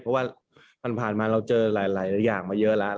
เพราะว่าผ่านมาเราเจอหลายอย่างมาเยอะแล้ว